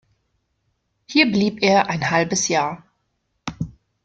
Hier blieb er ein halbes Jahr.